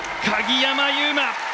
鍵山優真